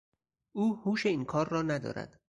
او هوش این کار را ندارد.